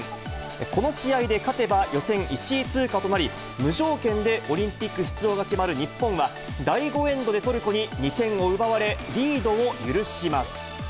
この試合で勝てば、予選１位通過となり、無条件でオリンピック出場が決まる日本は、第５エンドでトルコに２点を奪われ、リードを許します。